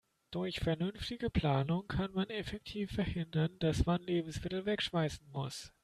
Durch vernünftige Planung kann man effektiv verhindern, dass man Lebensmittel wegschmeißen muss.